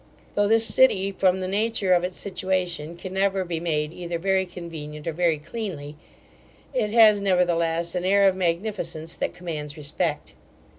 Though this city, from the nature of its situation, can never be made either very convenient or very cleanly, it has, nevertheless, an air of magnificence that commands respect.